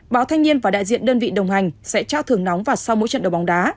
báo thanh niên và đại diện đơn vị đồng hành sẽ trao thưởng nóng và sau mỗi trận đấu bóng đá